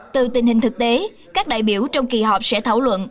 từ tình hình thực tế các đại biểu trong kỳ họp sẽ thảo luận